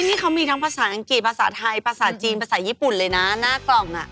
นี่เขามีทั้งภาษาอังกฤษภาษาไทยภาษาจีนภาษาญี่ปุ่นเลยนะหน้ากล่องอ่ะ